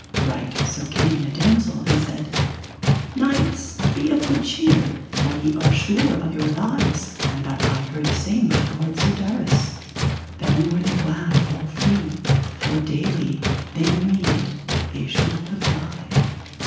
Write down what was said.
Right so came in a damosel and said: Knights, be of good cheer, for ye are sure of your lives, and that I heard say my lord, Sir Darras. Then were they glad all three, for daily they weened they should have died.